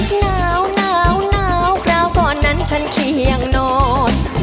หนาวหนาวคราวก่อนนั้นฉันเคียงนอน